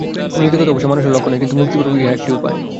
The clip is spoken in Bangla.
নৈতিকতা অবশ্য মানুষের লক্ষ্য নয়, কিন্তু মুক্তিপ্রাপ্তির ইহা একটি উপায়।